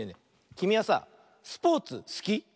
きみはさスポーツすき？